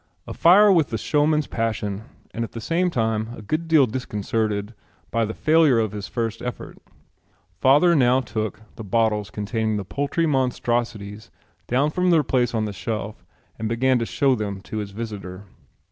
Afire with the showman's passion and at the same time a good deal disconcerted by the failure of his first effort, father now took the bottles containing the poultry monstrosities down from their place on the shelf and began to show them to his visitor.